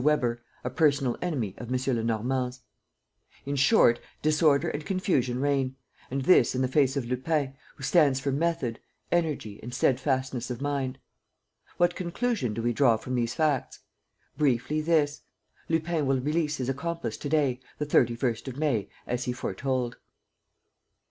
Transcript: Weber, a personal enemy of M. Lenormand's. "In short, disorder and confusion reign; and this in the face of Lupin, who stands for method, energy and steadfastness of mind. "What conclusion do we draw from these facts? Briefly, this: Lupin will release his accomplice to day, the 31st of May, as he foretold."